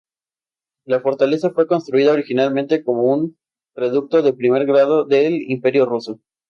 La Fortaleza fue construida originalmente como un reducto de primer grado del Imperio ruso.